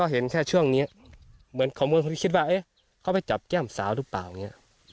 เห็นแค่ช่วงนี้เหมือนเขาเป็นคนที่คิดว่าเขาไปจับแก้มสาวหรือเปล่าอย่างนี้